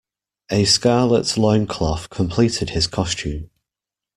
A scarlet loincloth completed his costume.